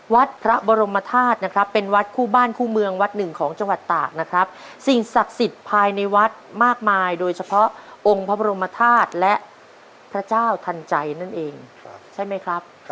วัดพระบรมธาตุนะครับเป็นวัดคู่บ้านคู่เมืองวัดหนึ่งของจังหวัดตากนะครับสิ่งศักดิ์สิทธิ์ภายในวัดมากมายโดยเฉพาะองค์พระบรมธาตุและพระเจ้าทันใจนั่นเองใช่ไหมครับ